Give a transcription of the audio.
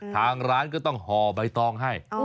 ทางร้านก็ต้องห่อใบตองให้